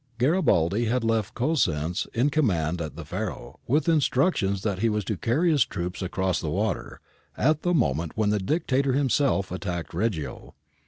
Garibaldi had left Cosenz in command at the Faro with instructions that he was to carry his troops across the water at the moment when the Dictator himself attacked Reggio.